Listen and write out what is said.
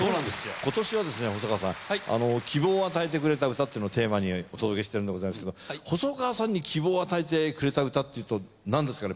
今年はですね細川さん希望を与えてくれた歌っていうのをテーマにお届けしてるんでございますけど細川さんに希望を与えてくれた歌っていうとなんですかね？